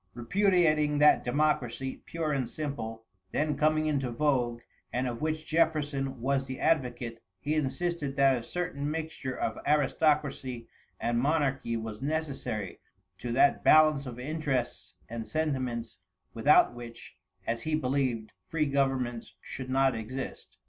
Repudiating that democracy, pure and simple, then coming into vogue, and of which Jefferson was the advocate; he insisted that a certain mixture of aristocracy and monarchy was necessary to that balance of interests and sentiments without which, as he believed, free governments should not exist.